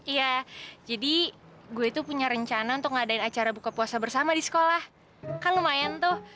iya jadi gue itu punya rencana untuk ngadain acara buka puasa bersama di sekolah kan lumayan tuh